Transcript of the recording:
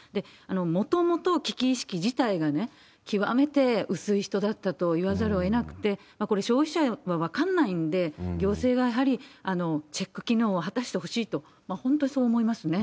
もともと危機意識自体は極めて薄い人だったといわざるをえなくて、これ、消費者は分かんないんで、行政がやはりチェック機能を果たしてほしいと、本当、そう思いますね。